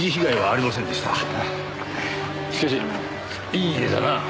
しかしいい家だな。